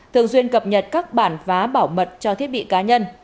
thường duyên cập nhật các bản vá bảo mật cho thiết bị cá nhân